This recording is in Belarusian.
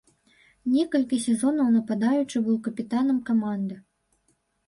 Некалькі сезонаў нападаючы быў капітанам каманды.